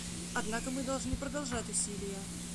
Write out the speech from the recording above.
Однако мы должны продолжать усилия.